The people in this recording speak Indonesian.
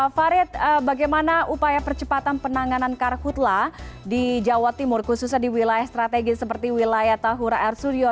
farid bagaimana upaya percepatan penanganan karhutlah di jawa timur khususnya di wilayah strategis seperti wilayah tahura air suryo